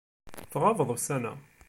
Tɣabeḍ ussan-a.